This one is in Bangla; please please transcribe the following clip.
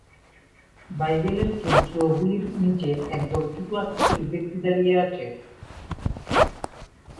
বাইবেলের চরিত্রগুলির নিচে একদল ছোট আকৃতির ব্যক্তি দাঁড়িয়ে আছে।